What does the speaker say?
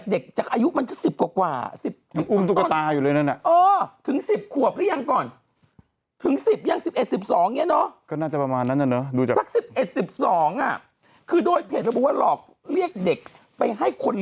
โดยที่ไม่สนุนมาดูกลัวดประกาศ